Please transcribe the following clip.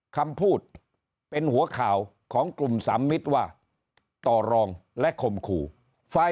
คำพูดเป็นหัวข่าวของกลุ่มสามมิตรว่าต่อรองและข่มขู่ฝ่าย